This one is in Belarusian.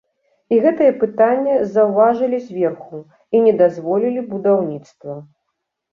І гэтае пытанне заўважылі зверху і не дазволілі будаўніцтва.